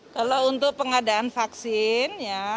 kalau untuk pengadaan vaksin